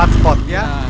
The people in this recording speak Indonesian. empat spot ya